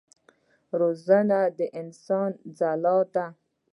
روزنه د انسان ځلا ده.